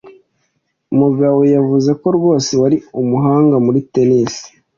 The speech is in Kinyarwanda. Mugabo yavuze ko rwose wari umuhanga muri tennis.